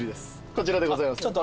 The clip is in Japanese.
こちらでございます。